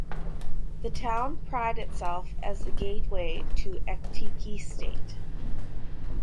The town pride itself as the gateway to Ekiti State.